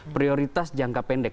prioritas jangka pendek